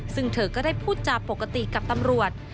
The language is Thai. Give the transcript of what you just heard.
ซึ่งเธอก็ได้พูดจาปกติกับตำรวจ